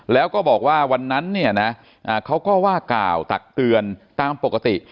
แล้วก็บอกว่าวันนั้นเนี่ยนะเขาก็ว่ากล่าวตักเตือนตามปกติ